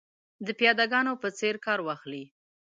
د پیاده ګانو په څېر کار واخلي.